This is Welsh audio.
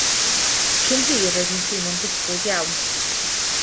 Cyn hir roedd hi'n teimlo'n gysglyd iawn.